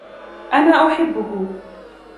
أنا أحبه.